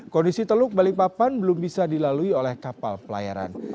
kondisi teluk balikpapan belum bisa dilalui oleh kapal pelayaran